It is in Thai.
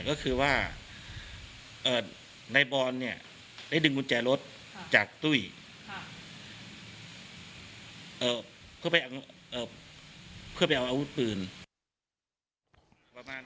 ก็คือว่านายบอลเนี่ยได้ดึงกุญแจรถจากตุ้ยเพื่อไปเพื่อไปเอาอาวุธปืน